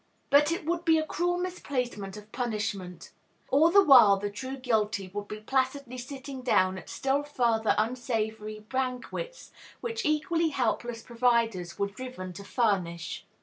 But it would be a cruel misplacement of punishment. All the while the true guilty would be placidly sitting down at still further unsavory banquets, which equally helpless providers were driven to furnish!